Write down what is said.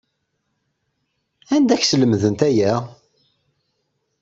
Anda ay ak-slemdent aya?